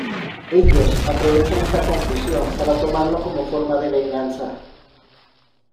Ellos aprovechan esa confusión para tomarlo como forma de venganza.